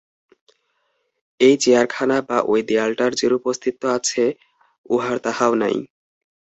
এই চেয়ারখানা বা ঐ দেয়ালটার যেরূপ অস্তিত্ব আছে, উহার তাহাও নাই।